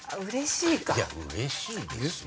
いやうれしいですよ。